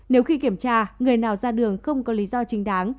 nếu khi kiểm tra người nào ra đường không có lý do chính đáng